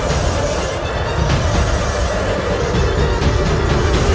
aku akan menang